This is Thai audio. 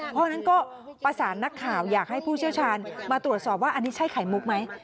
เพราะฉะนั้นก็ประสานนักข่าวอยากให้ผู้เชี่ยวชาญมาตรวจสอบว่าอันนี้ใช่ไข่มุกไหม